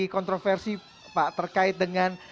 kontroversi pak terkait dengan